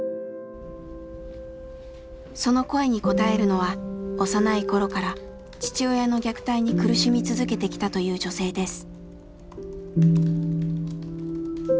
その声に応えるのは幼い頃から父親の虐待に苦しみ続けてきたという女性です。